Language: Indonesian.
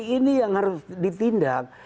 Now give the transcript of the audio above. ini yang harus ditindak